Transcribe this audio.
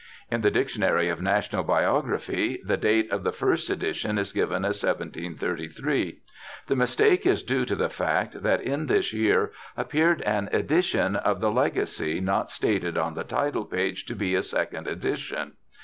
In the Dictionary of National Biography the date of the first edition is given as 1733. The mistake is due to the fact that in this year appeared an edition of the Legacy not stated on the title page to be a second edition.